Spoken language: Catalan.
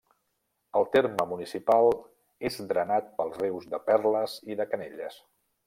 El terme municipal és drenat pels rius de Perles i de Canelles.